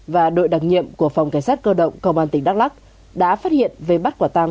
và đội đặc nhiệm của phòng cảnh sát cơ động công an tỉnh đắk lắc đã phát hiện về bắt quả tàng